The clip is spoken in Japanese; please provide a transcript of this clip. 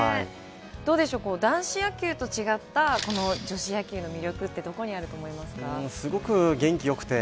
男子野球と違った、女子野球の魅力はどこにあると思いますか。